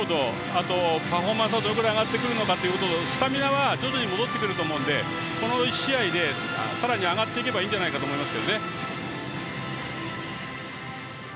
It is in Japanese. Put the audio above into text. あと、パフォーマンスがどれぐらい上がってくるのかというところ戻ってくると思うのでこの１試合で、さらに上がっていけばいいと思います。